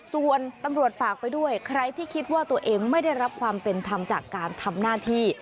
ส่วนตำรวจฝากไปด้วยใครที่คิดว่าตัวเองไม่ได้รับความเป็นธรรมจากการทำหน้าที่